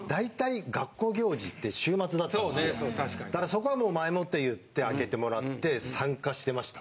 そこはもう前もって言って空けてもらって参加してました。